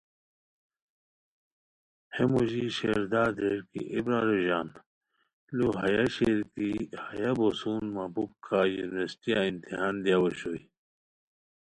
ہے موژی شیر داد ریر کی ایے برارو ژان لُو ہیہ شیر کی ،ہیہ بوسون مہ پُھک کائے یونیورسٹیہ امتحان دیاؤ اوشوئے